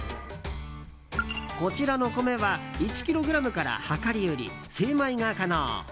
こちらの米は１ｋｇから量り売り、精米が可能。